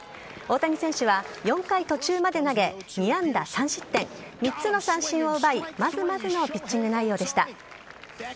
大谷選手は４回途中まで投げ２安打３失点３つの三振を奪いまずまずのピッチング内容でした。